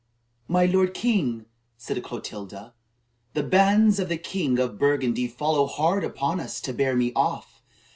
"My lord king," said Clotilda, "the bands of the king of Burgundy follow hard upon us to bear me off.